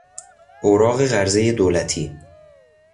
اوراق قرضهی دولتی